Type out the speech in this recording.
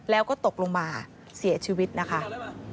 แล้วก็ตกลงมาเสียชีวิตนะคะ